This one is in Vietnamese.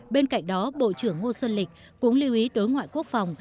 bên cạnh đó bộ trưởng ngô xuân lịch cũng lưu ý đối ngoại quốc phòng